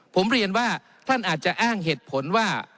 ผมเรียนว่าท่านอาจจะอ้างเหตุผลว่า